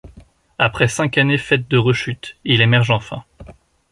Après cinq années faites de rechutes, il émerge enfin.